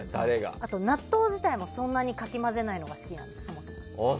あと、納豆自体もそんなにかき混ぜないのが好きです。